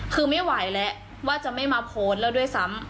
คือไม่ไหวแล้วว่าจะไม่มาโพสต์แล้วด้วยซ้ำ